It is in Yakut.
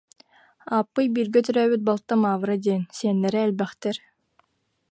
Ааппый бииргэ төрөөбүт балта Мавра диэн, сиэннэрэ элбэхтэр